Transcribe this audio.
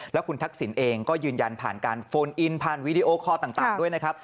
แล้วคุณทักษิณเองก็ยืนยันผ่านการโฟนอินผ่านวีดีโอคอร์ต่างด้วยนะครับ